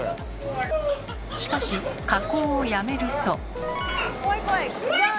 しかし下降をやめると。